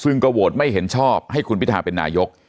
ซึ่งก็โหวตไม่เห็นชอบให้คุณพิทาเป็นนายก